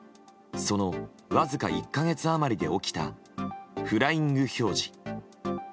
そのわずか１か月余りで起きたフライング表示。